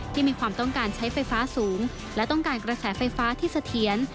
มีความต้องการใช้ไฟฟ้าสูงและต้องการกระแสไฟฟ้าที่เสถียร